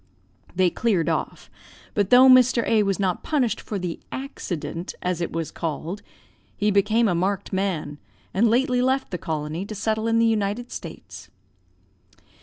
"They cleared off; but though Mr. A was not punished for the accident, as it was called, he became a marked man, and lately left the colony, to settle in the United States.